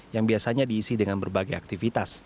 yang biasanya diisi dengan berbagai aktivitas